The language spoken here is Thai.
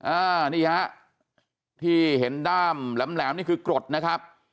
อ่านี่ฮะที่เห็นด้ามแหลมนี่คือกรดนะครับ